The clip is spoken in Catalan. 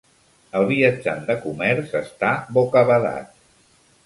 El viatjant de comerç està bocabadat.